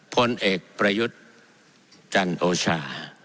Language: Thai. พลเอกประยุทธ์จันโอชา